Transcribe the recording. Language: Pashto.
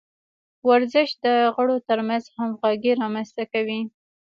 ورزش د غړو ترمنځ همغږي رامنځته کوي.